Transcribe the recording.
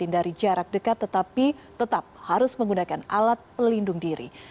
hindari jarak dekat tetapi tetap harus menggunakan alat pelindung diri